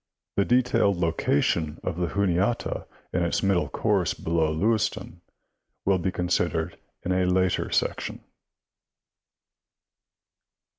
The detailed location of the Juniata in its middle course below Lewistown will be con sidered in a later section.